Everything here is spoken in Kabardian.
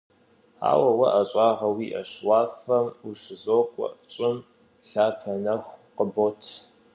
Ауэ уэ ӏэщӏагъэ уиӏэщ: уафэм ущызокӏуэ, щӏым лъапэ нэху къыбот.